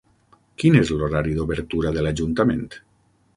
Quin és l'horari d'obertura de l'ajuntament?